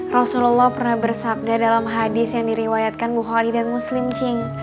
rasulullah pernah bersabda dalam hadis yang diriwayatkan bu khori dan muslim cing